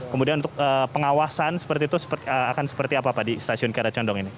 kemudian untuk pengawasan seperti itu akan seperti apa pak di stasiun kiara condong ini